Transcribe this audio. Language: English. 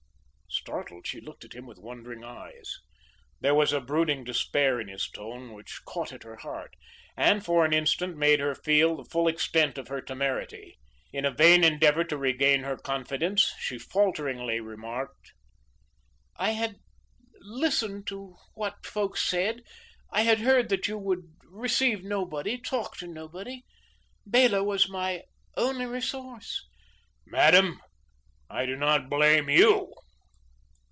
Startled, she looked at him with wondering eyes. There was a brooding despair in his tone which caught at her heart, and for an instant made her feel the full extent of her temerity. In a vain endeavour to regain her confidence, she falteringly remarked. "I had listened to what folks said. I had heard that you would receive nobody; talk to nobody. Bela was my only resource." "Madam, I do not blame YOU."